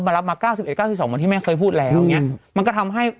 เพราะสุดท้ายเขาก็บอกว่า